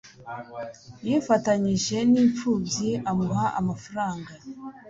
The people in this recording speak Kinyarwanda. yifatanije nimpfubyi amuha amafaranga